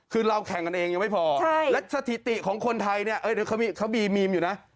อ๋อคือเราแข่งกันเองยังไม่พอนะครับสถิติของคนไทยเขามีมีมอยู่นะ